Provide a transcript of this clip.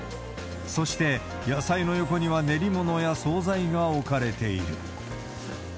そして、野菜の横には練り物や総菜が置かれている。